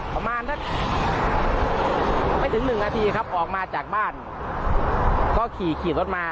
ประถักษรัพย์จัดสร้างกฏร้าย